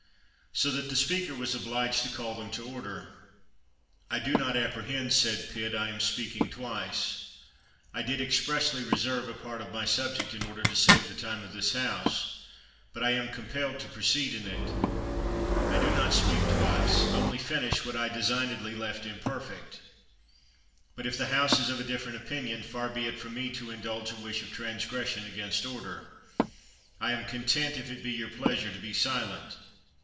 so that the speaker was obliged to call them to order.] I do not apprehend [said Pitt] I am speaking twice. I did expressly reserve a part of my subject, in order to save the time of this House ; but I am compelled to proceed in it. I do not speak twice; I only finish what I designedly 203 THE WORLD'S FAMOUS ORATIONS left imperfect. But if the House is of a differ ent opinion, far be it from me to indulge a wish of transgression against order. I am content, if it be your pleasure, to be silent.